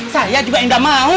saya juga enggak mau